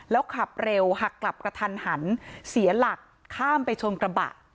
แล้วขับเร็วหักกลับกระทันหันเสียหลักข้ามไปชนกระบะ